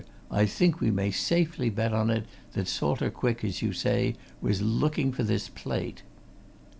I think we may safely bet on it that Salter Quick, as you say, was looking for this plate!"